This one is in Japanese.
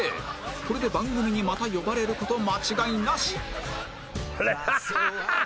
これで番組にまた呼ばれる事間違いなし